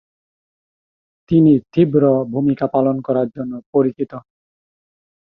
তিনি তীব্র ভূমিকা পালন করার জন্য পরিচিত।